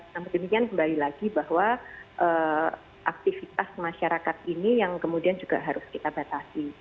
namun demikian kembali lagi bahwa aktivitas masyarakat ini yang kemudian juga harus kita batasi